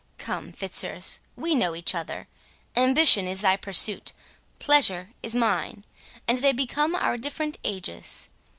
Come, Fitzurse, we know each other—ambition is thy pursuit, pleasure is mine, and they become our different ages.